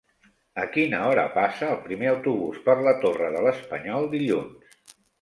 A quina hora passa el primer autobús per la Torre de l'Espanyol dilluns?